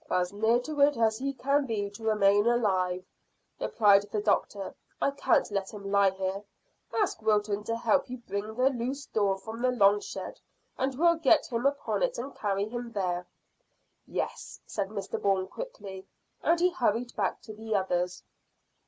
"As near to it as he can be to remain alive," replied the doctor. "I can't let him lie here. Ask Wilton to help you bring the loose door from the long shed, and we'll get him upon it and carry him there." "Yes," said Mr Bourne quickly, and he hurried back to the others.